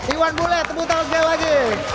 iwan bule tepuk tangan sekali lagi